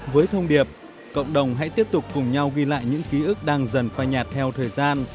với thông điệp cộng đồng hãy tiếp tục cùng nhau ghi lại những ký ức đang dần phai nhạt theo thời gian